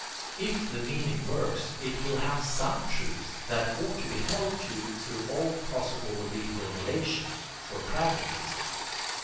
If the meaning works, it will have SOME truth that ought to be held to through all possible reformulations, for pragmatism.